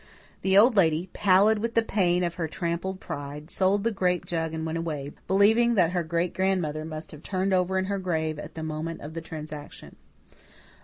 The Old Lady, pallid with the pain of her trampled pride, sold the grape jug and went away, believing that her great grandmother must have turned over in her grave at the moment of the transaction.